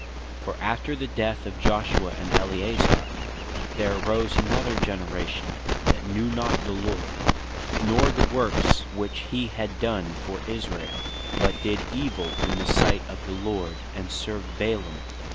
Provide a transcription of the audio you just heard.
For after the death of Joshua, & Eleazar, "there arose another generation" (Judges 2.10.) "that knew not the Lord, nor the works which he had done for Israel, but did evill in the sight of the Lord, and served Baalim."